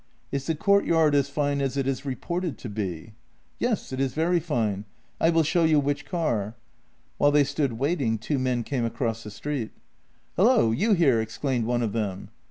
Is the courtyard as fine as it is reported to be? "" Yes; it is very fine. I wall show you which car." While they stood waiting two men came across the street. " Hullo, you here! " exclaimed one of them.